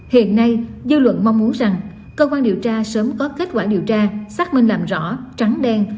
hiện nay dư luận mong muốn rằng cơ quan điều tra sớm có kết quả điều tra xác minh làm rõ trắng đen